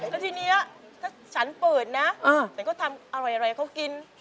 แล้วทีนี้ถ้าฉันเปิดนะฉันก็ทำอะไรเขากิน